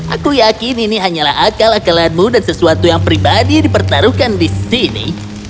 aku yakin ini hanyalah akal akalanmu dan sesuatu yang pribadi dipertaruhkan di sini